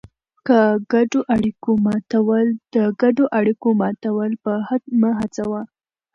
د ګډو اړیکو ماتول مه هڅوه.